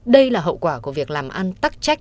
đây là hậu quả của việc làm ăn tắc trách